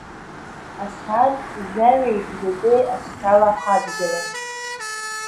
Асааҭ жәаҩеи бжаки асқьала ҳадгылан.